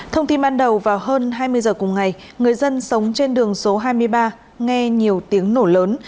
thông tin ban đầu vào hơn hai mươi giờ cùng ngày người dân sống trên đường số hai mươi ba nghe nhiều tiếng nổ lớn